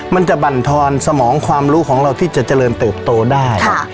มันจะบรรทอนสมองความรู้ของเราที่จะเจริญเติบโตได้